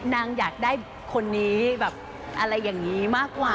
นางอยากได้คนนี้แบบอะไรอย่างนี้มากกว่า